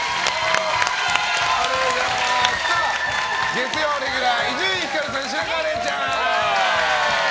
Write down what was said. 月曜レギュラー、伊集院光さん白河れいちゃん！